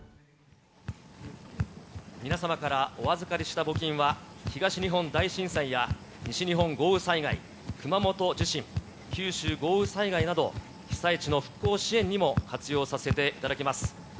皆様からお預かりした募金は、東日本大震災や西日本豪雨災害、熊本地震、九州豪雨災害など、被災地の復興支援にも活用させていただきます。